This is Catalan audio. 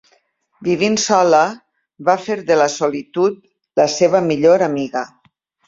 Vivint sola, va fer de la solitud la seva millor amiga.